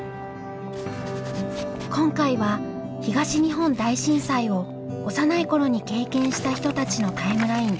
今回は東日本大震災を幼い頃に経験した人たちのタイムライン。